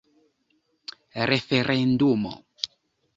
referendumo